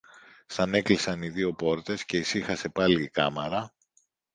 Σαν έκλεισαν οι δυο πόρτες και ησύχασε πάλι η κάμαρα